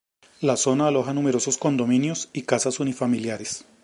La zona aloja numerosos condominios y casas unifamiliares.